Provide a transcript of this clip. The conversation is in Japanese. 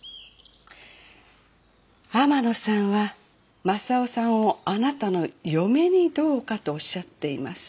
天野さんはまさをさんをあなたの嫁にどうかとおっしゃっています。